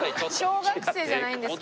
小学生じゃないんですから。